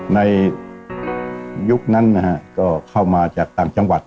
ในยุคนั้นนะฮะก็เข้ามาจากต่างจังหวัด